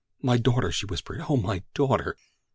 "My daughter!" she whispered. "Oh, my daughter!"